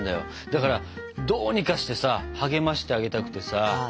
だからどうにかしてさ励ましてあげたくてさ。